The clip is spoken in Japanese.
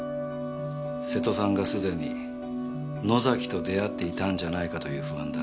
瀬戸さんがすでに野崎と出会っていたんじゃないかという不安だ。